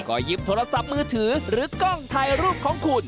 ก็หยิบโทรศัพท์มือถือหรือกล้องถ่ายรูปของคุณ